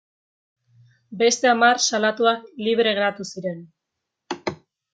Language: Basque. Beste hamar salatuak libre geratu ziren.